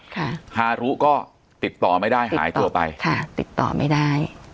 ฮารุก็ติดต่อไม่ได้หายตัวไปค่ะติดต่อไม่ได้